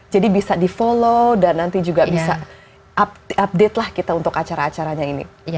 jadi bisa di follow dan nanti juga bisa update lah kita untuk acara acaranya ini